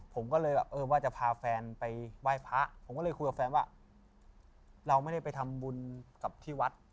ผมก็เลยแบบเออว่าจะพาแฟนไปไหว้พระผมก็เลยคุยกับแฟนว่าเราไม่ได้ไปทำบุญกับที่วัด